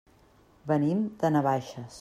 Venim de Navaixes.